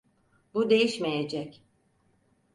Bu değişmeyecek.